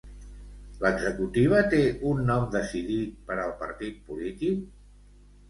L'executiva té un nom decidit per al partit polític?